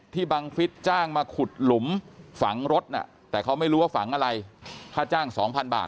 บังฟิศจ้างมาขุดหลุมฝังรถน่ะแต่เขาไม่รู้ว่าฝังอะไรค่าจ้างสองพันบาท